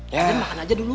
dan makan aja dulu